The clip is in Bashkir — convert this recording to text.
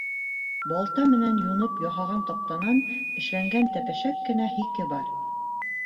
Балта менән юнып яһаған таҡтанан эшләнгән тәпәшәк кенә һике бар.